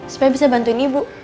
supaya bisa bantuin ibu